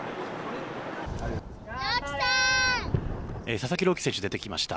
佐々木朗希投手出てきました。